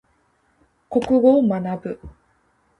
国語を学ぶ。